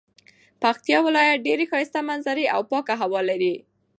پکتيا ولايت ډيري ښايسته منظري او پاکه هوا لري